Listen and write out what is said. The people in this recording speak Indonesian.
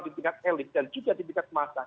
di tingkat elit dan juga di tingkat massa